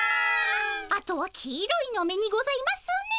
あとは黄色いのめにございますね。